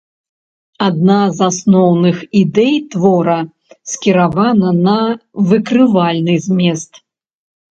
Адна з асноўных ідэй твора скіравана на выкрывальны змест.